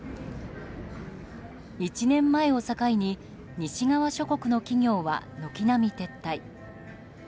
１年前を境に西側諸国の企業は軒並み撤退。